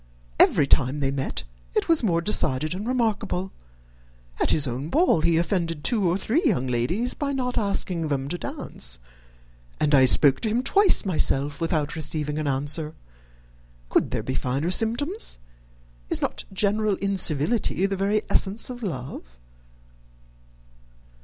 Every time they met, it was more decided and remarkable. At his own ball he offended two or three young ladies by not asking them to dance; and I spoke to him twice myself without receiving an answer. Could there be finer symptoms? Is not general incivility the very essence of love?"